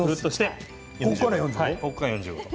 ここから４５度？